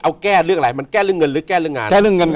เอาแก้เรื่องอะไรมันแก้เรื่องเงินหรือแก้เรื่องงาน